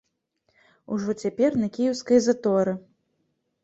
Ужо цяпер на кіеўскай заторы.